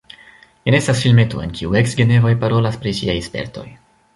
Jen estas filmeto, en kiu eks-genevoj parolas pri siaj spertoj.